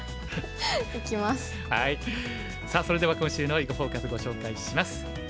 さあそれでは今週の「囲碁フォーカス」ご紹介します。